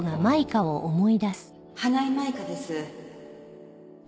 花井舞香です。